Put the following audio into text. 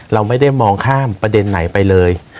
เราไม่ได้มองข้ามประเด็นไหนไปเลย